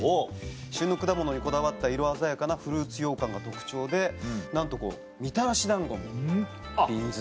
旬の果物にこだわった色鮮やかなフルーツようかんが特徴でなんとみたらし団子も瓶詰めされている。